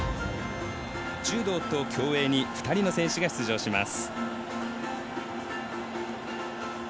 柔道と競泳に２人の選手が出場します。